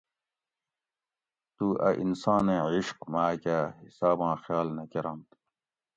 تُو اۤ انسانیں عِشق ماۤکہ حِساباں خیال نہ کرنت